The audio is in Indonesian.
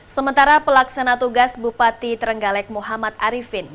sementara pelaksana tugas bupati trenggalek muhammad arifin